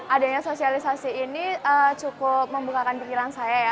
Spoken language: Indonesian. adanya sosialisasi ini cukup membukakan pikiran saya ya